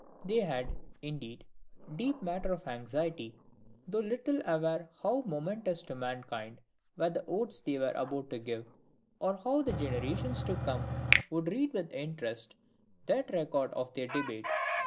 They had, indeed, deep matter for anxiety, though little aware how momentous to mankind were the votes they were about to give, or how the generations to come would read with interest that record of their debate.